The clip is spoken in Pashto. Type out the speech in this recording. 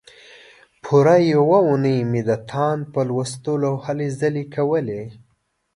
پوره یوه اونۍ مې د تاند په لوستلو هلې ځلې کولې.